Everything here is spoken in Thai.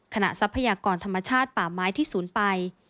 ทรัพยากรธรรมชาติป่าไม้ที่ศูนย์ไป